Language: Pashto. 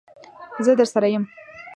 زه درسره یم.